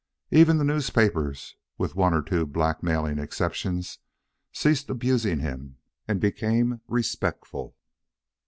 Even the newspapers, with one or two blackmailing exceptions, ceased abusing him and became respectful.